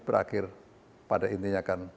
berakhir pada intinya akan